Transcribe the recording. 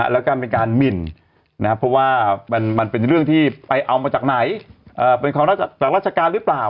แล้วก็เป็นการหมินนะครับเพราะว่ามันเป็นเรื่องที่ไปเอามาจากไหนเป็นความจากราชการหรือเปล่า